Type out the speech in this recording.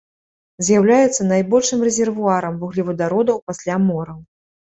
З'яўляецца найбольшым рэзервуарам вуглевадародаў пасля мораў.